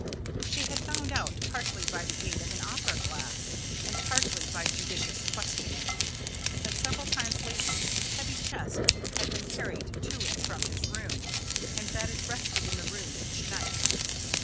She had found out, partly by the aid of an opera glass and partly by judicious questioning, that several times lately a heavy chest had been carried to and from his room, and that it rested in the room each night.